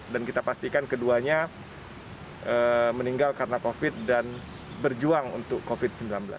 dan kita pastikan keduanya meninggal karena covid sembilan belas dan berjuang untuk covid sembilan belas